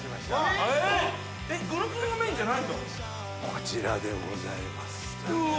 こちらでございます。